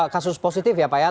kasus positif ya pak ya